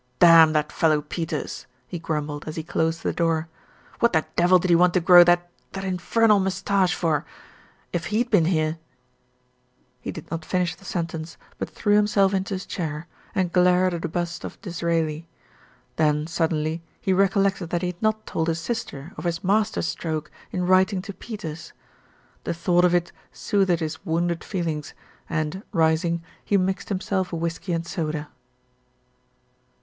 "Damn that fellow Peters!" he grumbled, as he closed the door. "What the devil did he want to grow that that infernal moustache for. If he'd been here " He did not finish the sentence ; but threw him self into his chair, and glared at a bust of Disraeli. Then suddenly he recollected that he had not told his sister of his master stroke in writing to Peters. The thought of it soothed his wounded feelings and, rising, he mixed himself a whisky and soda.